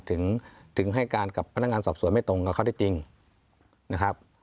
ถึงให้การกับพนักงานสอบสวนไม่ตรงกับข้อที่จริงนะครับ